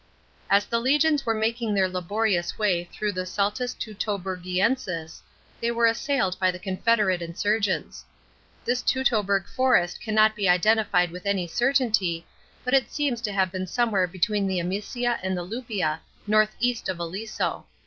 As the legions were making their laborious way tl rough ihesaltus Teutoburgiensis, they were assailed by the confederate insurgents. This Teutoburg forest cannot be identified with any certainty, but it seems to have been somewhere between the Amisia and the Luppia, north east of Aliso.